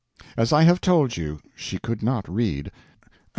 As I have told you, she could not read.